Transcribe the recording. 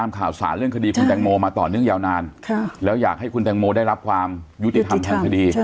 คนจะต้องเวียนถามกัน